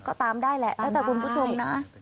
ก็ตามได้แหละถ้าจะคุณผู้ชมนะ